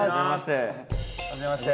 はじめまして。